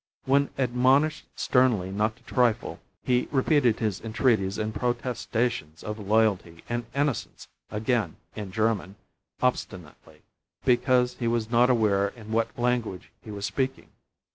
When admonished sternly not to trifle he repeated his entreaties and protestations of loyalty and innocence again in German, obstinately, because he was not aware in what language he was speaking.